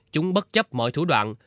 chúng bất chấp mọi thủ đoạn